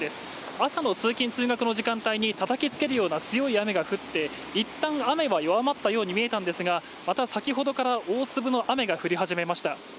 朝の通勤通学の時間帯にたたきつけるような強い雨が降って一旦雨は弱まったように見えたんですが、また先ほどから、大粒の雨が降り始めました。